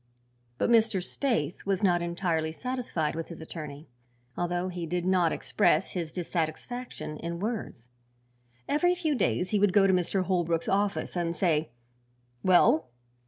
But Mr. Spaythe was not entirely satisfied with his attorney, although he did not express his dissatisfaction in words. Every few days he would go to Mr. Holbrook's office and say: "Well?"